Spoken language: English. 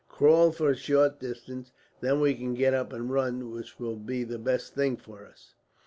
Crawl for a short distance, then we can get up and run, which will be the best thing for us."